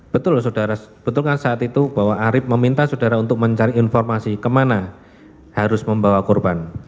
betul saudara betul kan saat itu bahwa arief meminta saudara untuk mencari informasi kemana harus membawa korban